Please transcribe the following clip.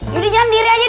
jadi jangan diri aja